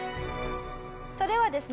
それはですね